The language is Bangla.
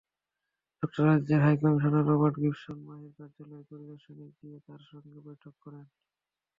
যুক্তরাজ্যের হাইকমিশনার রবার্ট গিবসন মাহীর কার্যালয় পরিদর্শনে গিয়ে তাঁর সঙ্গে বৈঠক করেন।